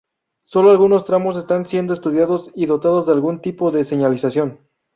Sólo algunos tramos están siendo estudiados y dotados de algún tipo de señalización.